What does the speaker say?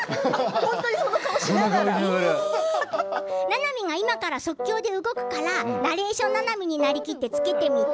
ななみが今から即興で動くからナレーションななみになりきって、つけてみて。